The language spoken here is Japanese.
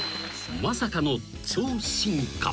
まさかの超進化］